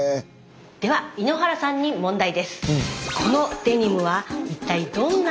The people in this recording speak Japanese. では井ノ原さんに問題です。